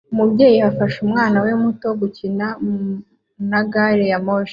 Umubyeyi afasha umwana we muto gukina na gari ya moshi